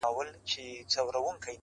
قاسم یار که ستا په سونډو مستانه سوم،